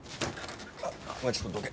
お前ちょっとどけ。